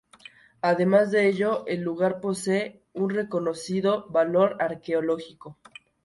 Además de ello, el lugar posee un reconocido valor arqueológico.